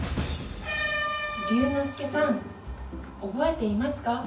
「竜ノ介さん覚えていますか？